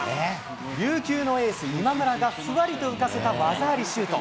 琉球のエース、今村がふわりと浮かせた技ありシュート。